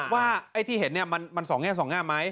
ว่าย่ที่เห็นเนี่ยมันสองแง่สองง่ำไหม